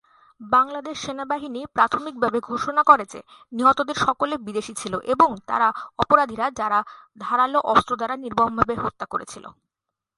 বাংলাদেশ সেনাবাহিনী প্রাথমিকভাবে ঘোষণা করে যে নিহতদের সকলে বিদেশী ছিল, এবং তারা অপরাধীরা যাদের "ধারালো অস্ত্র দ্বারা নির্মমভাবে হত্যা করেছিল"।